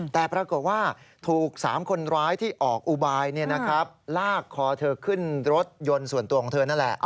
แต่ปรากฏว่าถูก๓คนร้ายที่ออกอุบายลากคอเธอขึ้นรถยนต์ส่วนตัวของเธอนั่นแหละ